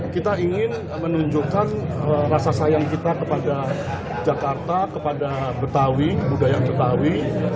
kita ingin menunjukkan rasa sayang kita kepada jakarta kepada betawi budaya betawi